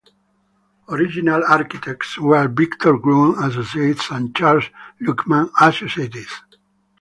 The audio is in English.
Original architects were Victor Gruen Associates and Charles Luckman Associates.